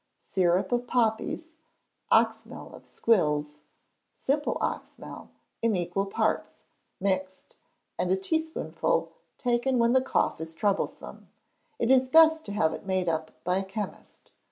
Syrup of poppies, oxymel of squills, simple oxymel, in equal parts, mixed, and a teaspoonful taken when the cough is troublesome. It is best to have it made up by a chemist.